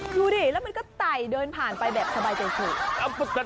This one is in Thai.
ดูดิแล้วมันก็ไต่เดินผ่านไปแบบสบายใจสุด